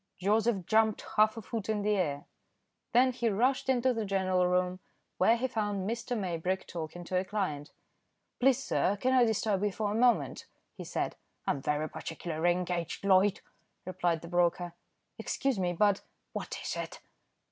Joseph jumped half a foot in the air. Then he rushed into the general room, where he found Mr. Maybrick talking to a client. "Please sir, can I disturb you for a moment?" he said. "I'm very particularly engaged, Loyd," replied the broker. "Excuse me, but " "What is it?"